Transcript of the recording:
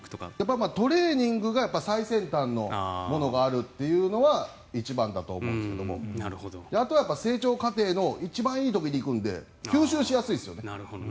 トレーニングが最先端のものがあるのが一番だと思いますがあとは成長過程の一番いい時に行くので吸収しやすいですよね。